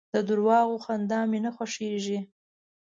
د درواغو خندا مي نه خوښېږي .